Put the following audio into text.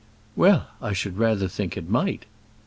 "Well, I should rather think it might!"